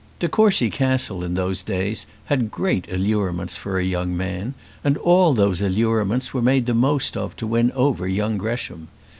De Courcy Castle in those days had great allurements for a young man, and all those allurements were made the most of to win over young Gresham.